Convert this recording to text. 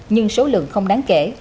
nhưng số lượng không đáng kể